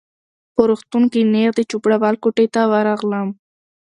په روغتون کي نیغ د چوپړوال کوټې ته ورغلم.